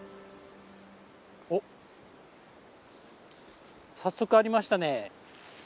おっ早速ありましたね。